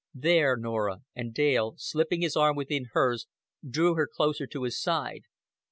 "There, Norah;" and Dale, slipping his arm within hers, drew her closer to his side.